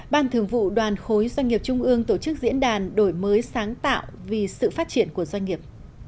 ban thường vụ đoàn khối doanh nghiệp trung ương tổ chức diễn đàn đổi mới sáng tạo vì sự phát triển của doanh nghiệp